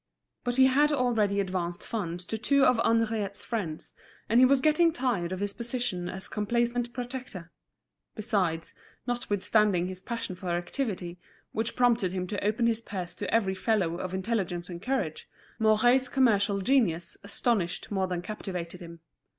But he had already advanced funds to two of Henriette's friends, and he was getting tired of his position as complacent protector. Besides, notwithstanding his passion for activity, which prompted him to open his purse to every fellow of intelligence and courage, Mouret's commercial genius astonished more than captivated him.